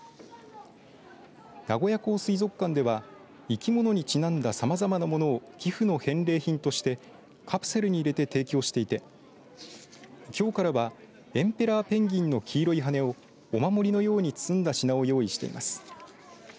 名古屋港水族館では生き物にちなんださまざまなものを寄付の返礼品としてカプセルに入れて提供していてきょうからはエンペラーペンギンの黄色い羽根をお守りのように包んだ品を用意しています。